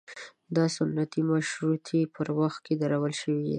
دا ستنې د مشروطې په وخت کې درول شوې وې.